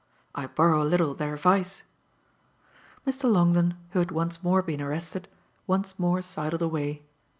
I borrow a little their vice." Mr. Longdon, who had once more been arrested, once more sidled away.